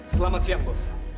selamat siang bos